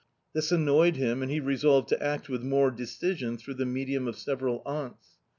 This annoyed him and he resolved to act with more decision through the medium of several aunts.